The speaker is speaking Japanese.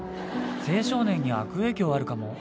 青少年に悪影響あるかも。